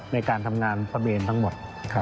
ในการทำงานพระเมนทั้งหมด